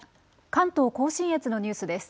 関東甲信越のニュースです。